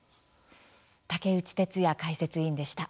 竹内哲哉解説委員でした。